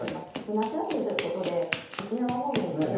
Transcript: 夏休みということで、沖縄方面に行かれる方も。